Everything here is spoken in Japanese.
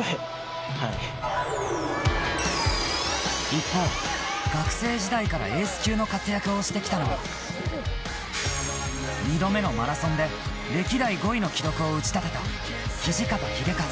一方、学生時代からエース級の活躍を喫してきたのは２度目のマラソンで歴代５位の記録を打ち立てた土方英和。